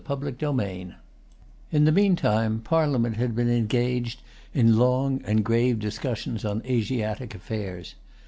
[Pg 144] In the meantime, Parliament had been engaged in long and grave discussions on Asiatic affairs.